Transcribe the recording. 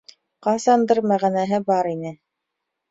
Ҡасандыр мәғәнәһе бар ине.